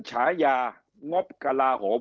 คำอภิปรายของสอสอพักเก้าไกลคนหนึ่ง